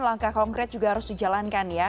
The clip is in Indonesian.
langkah konkret juga harus dijalankan ya